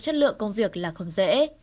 chất lượng công việc là không dễ